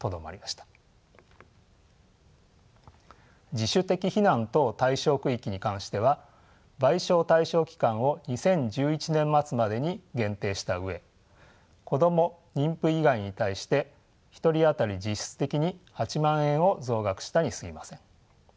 自主的避難等対象区域に関しては賠償対象期間を２０１１年末までに限定した上子ども・妊婦以外に対して１人当たり実質的に８万円を増額したにすぎません。